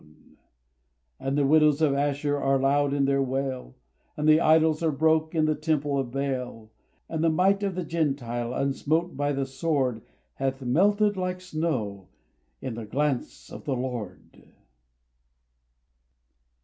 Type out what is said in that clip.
RAINBOW GOLD And the widows of Ashur are loud in their wail, And the idols are broke in the temple of Baal; And the might of the Gentile, unsmote by the sword, Hath melted like snow in the glance of the Lord!